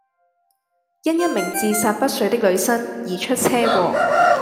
因一名自殺不遂的女生而出車禍